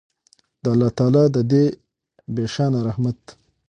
د الله تعالی د دې بې شانه رحمت